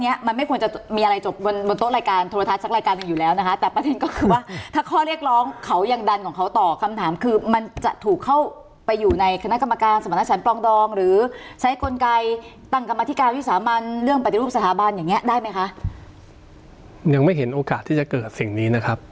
ยังไม่เห็นโอกาสที่จะเกิดสิ่งนี้นะครับ